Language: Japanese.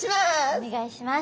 お願いします。